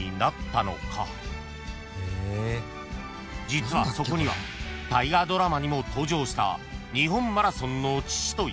［実はそこには大河ドラマにも登場した］